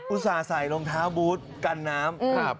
ส่าห์ใส่รองเท้าบูธกันน้ำ